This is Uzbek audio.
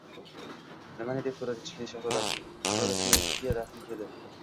Nimani? — deb so‘radi Kichkina shahzoda plyonistaga rahmi kelib.